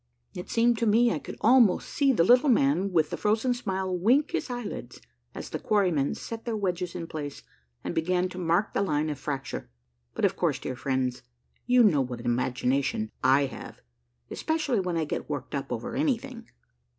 It seemed to me I could almost see the Little Man Avith the Frozen Smile wink his eyelids as the quarry men set their wedges in place and began to mark the line of fracture ; but, of course, dear friends, you know what an imagination I have, especially when I get worked up over anything.